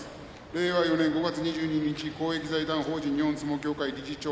令和４年５月２２日公益財団法人日本相撲協会理事長